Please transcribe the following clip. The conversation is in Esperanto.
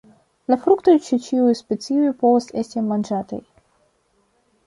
La fruktoj de ĉiuj specioj povas esti manĝataj.